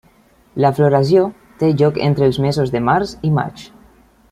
La floració té lloc entre els mesos de març i maig.